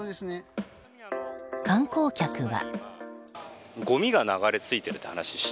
観光客は。